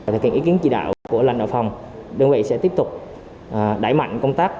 thực hiện ý kiến chỉ đạo của lãnh đạo phòng đơn vị sẽ tiếp tục đẩy mạnh công tác